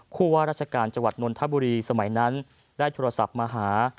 ผู้ว่าราชการจังหวัดนนทบุรีสมัยนั้นได้โทรศัพท์มาหา